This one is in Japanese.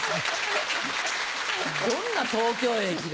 どんな東京駅だよ。